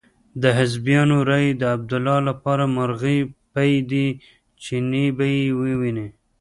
د حزبیانو رایې د عبدالله لپاره مرغۍ پۍ دي چې نه به يې وویني.